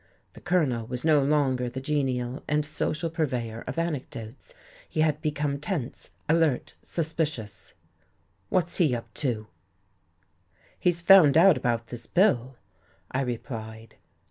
The Colonel was no longer the genial and social purveyor of anecdotes. He had become tense, alert, suspicious. "What's he up to?" "He's found out about this bill," I replied.